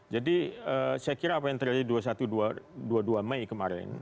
jadi saya kira apa yang terjadi dua puluh satu dua puluh dua mei kemarin